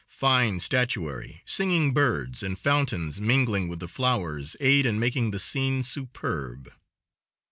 Fine statuary, singing birds and fountains mingling with the flowers aid in making the scene superb.